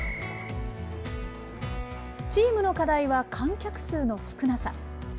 チームの課題は観客数の少なさ。